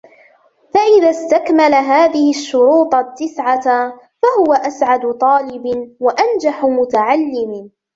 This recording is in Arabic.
فَإِذَا اسْتَكْمَلَ هَذِهِ الشُّرُوطَ التِّسْعَةَ فَهُوَ أَسْعَدُ طَالِبٍ ، وَأَنْجَحُ مُتَعَلِّمٍ